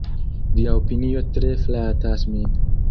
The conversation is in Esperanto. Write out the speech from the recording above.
Via opinio tre flatas min.